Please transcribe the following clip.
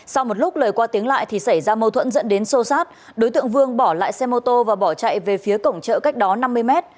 sau một lúc lời qua tiếng lại thì xảy ra mâu thuẫn dẫn đến sô sát đối tượng vương bỏ lại xe mô tô và bỏ chạy về phía cổng chợ cách đó năm mươi mét